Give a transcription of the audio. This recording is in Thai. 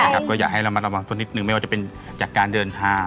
ก็อยากให้ระมัดระวังสักนิดนึงไม่ว่าจะเป็นจากการเดินทาง